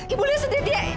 ibu lihat sedih dia